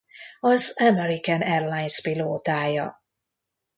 Az American Airlines pilótája.